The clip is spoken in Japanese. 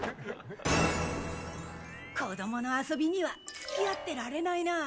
子供の遊びには付き合ってられないな。